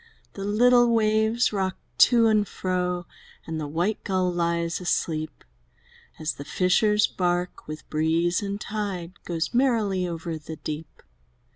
The little waves rock to and fro. And the white gull lies asleep, As the fisher's bark, with breeze and tide, Goes merrily over the deep!